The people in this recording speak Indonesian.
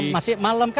masih malam kan